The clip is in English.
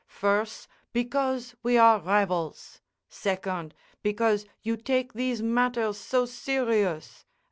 Firs', because we are rivals; second, because you take these matters so serious.